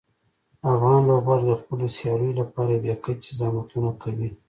افغان لوبغاړي د خپلو سیالیو لپاره بې کچه زحمتونه کوي.